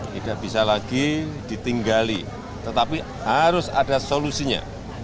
tidak bisa lagi ditinggali tetapi harus ada solusinya